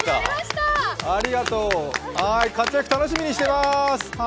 活躍、楽しみにしてます！